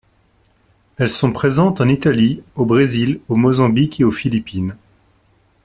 Elles sont présentes en Italie, au Brésil, au Mozambique et aux Philippines.